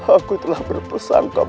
aku telah berpersangka